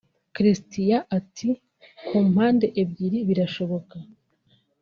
Christian ati “Ku mpande ebyiri birashoboka